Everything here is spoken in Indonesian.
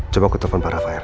coba aku telfon para fire